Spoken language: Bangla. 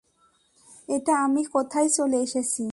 এটা আমি কোথায় চলে এসেছি?